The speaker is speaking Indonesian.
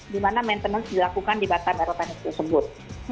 di mana maintenance dilakukan di batam aerotanis tersebut